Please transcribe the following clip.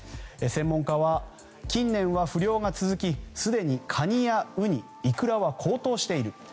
専門家は、近年は不漁が続きすでにカニやウニ、イクラは高騰している。